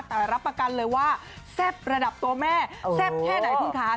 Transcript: แต่รับประกันเลยว่าแซ่บระดับตัวแม่แซ่บแค่ไหนคุณคะ